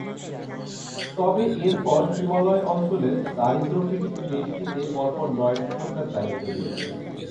তবে এরপর হিমালয় অঞ্চলের দারিদ্র্যপীড়িত দেশটিতে পরপর নয়টি সরকার দায়িত্ব নিয়েছে।